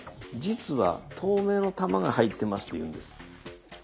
「実は透明の玉が入ってます」と言うんです。